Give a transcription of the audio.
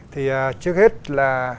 thì trước hết là